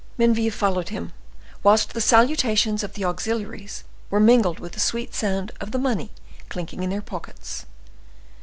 Menneville followed him, whilst the salutations of the auxiliaries were mingled with the sweet sound of the money clinking in their pockets.